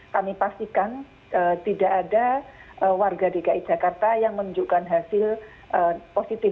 kami pastikan tidak ada warga dki jakarta yang menunjukkan hasil positif